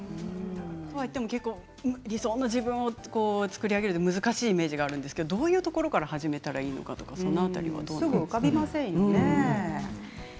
とは言っても理想の自分を作り上げるには難しいイメージがあるんですがどういうところから始めたらいいですか？